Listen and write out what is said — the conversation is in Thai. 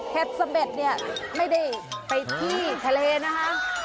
เสม็ดเนี่ยไม่ได้ไปที่ทะเลนะคะ